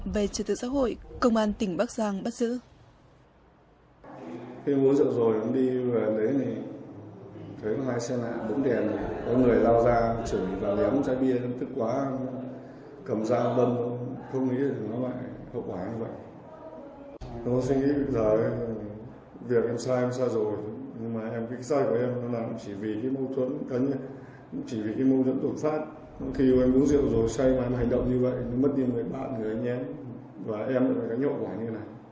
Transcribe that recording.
về trật tự xã hội công an tỉnh bắc giang bắt giữ